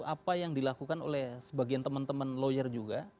apa yang dilakukan oleh sebagian teman teman lawyer juga